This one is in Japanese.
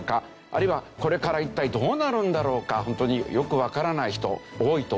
あるいはこれから一体どうなるんだろうかホントによくわからない人多いと思うんですね。